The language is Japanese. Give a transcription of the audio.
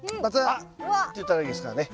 あっ！って言っただけですからね。